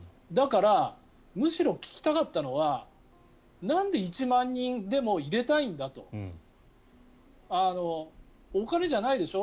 だから、むしろ聞きたかったのはなんで１万人でも入れたいんだと。お金じゃないでしょ。